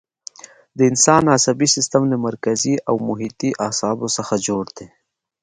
د انسان عصبي سیستم له مرکزي او محیطي اعصابو څخه جوړ دی.